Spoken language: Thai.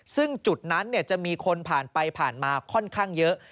ซึ่งจุดนั้นจะมีคนผ่านไปผ่านมาค่อนข้างเยอะ